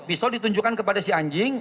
pisau ditunjukkan kepada si anjing